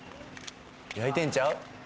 焼いてんちゃう？